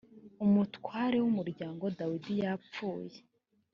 umutware w’ umuryango dawidi yapfuye